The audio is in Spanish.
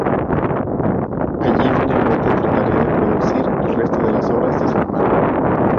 Allí finalmente trataría de producir el resto de las obras de su hermano.